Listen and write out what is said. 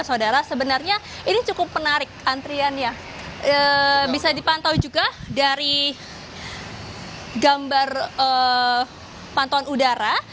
saudara sebenarnya ini cukup menarik antriannya bisa dipantau juga dari gambar pantauan udara